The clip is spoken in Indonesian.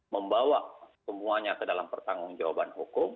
membawa semuanya ke dalam pertanggung jawaban hukum